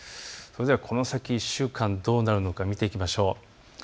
この先１週間どうなるのか見ていきましょう。